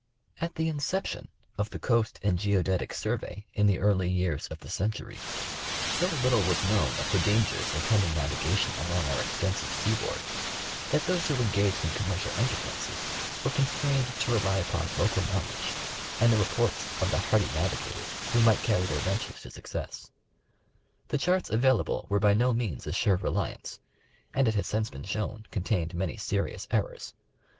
At the inception of the Coast and Geodetic Survey in the early years of the century, so little was known of the dangers attend ing navigation along our extensive seaboard, that those who engaged in commercial enterpiises were constrained to rely upon local knowledge and the reports of the hardy navigators who might carry their ventures to success. The charts available were by no means a sure reliance, and it has since been shown, con tained many sei'ious errors.